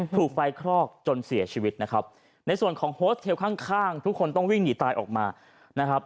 ถูกไฟคลอกจนเสียชีวิตนะครับในส่วนของโฮสเทลข้างข้างทุกคนต้องวิ่งหนีตายออกมานะครับ